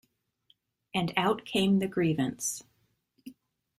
And out came the grievance.